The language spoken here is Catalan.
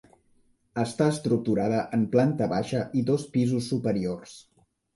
Està estructurada en planta baixa i dos pisos superiors.